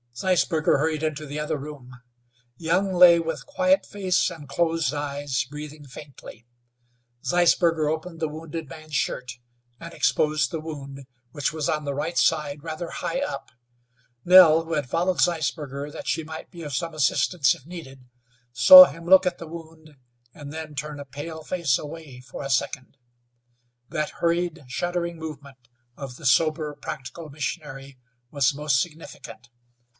Zeisberger hurried into the other room. Young lay with quiet face and closed eyes, breathing faintly. Zeisberger opened the wounded man's shirt and exposed the wound, which was on the right side, rather high up. Nell, who had followed Zeisberger that she might be of some assistance if needed, saw him look at the wound and then turn a pale face away for a second. That hurried, shuddering movement of the sober, practical missionary was most significant.